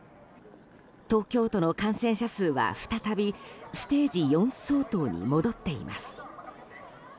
東京都の感染者数は再びステージ４相当に戻っています。